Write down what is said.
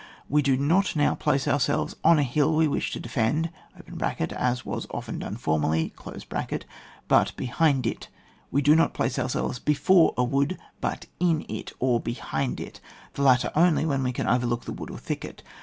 We do not now place ourselves on a hill we wish to defend (as was often done formerly) but behind it : we do not place ourselves he/ore a wood, but in it, or behind it ; the latter only when we can over look the wood or thicket.